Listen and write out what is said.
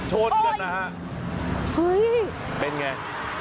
โชตกันนะฮะโอ๊ยเฮ้ยเป็นอย่างไร